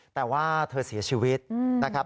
แต่ว่าเธอเสียชีวิตนะครับ